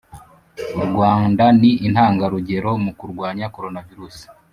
u rwanda ni intangarugero mu kurwanya colona virusi